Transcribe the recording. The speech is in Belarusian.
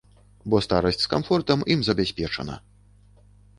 Бо старасць з камфортам ім забяспечана.